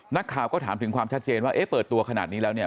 นักข่าวก็ถามถึงความชัดเจนว่าเอ๊ะเปิดตัวขนาดนี้แล้วเนี่ย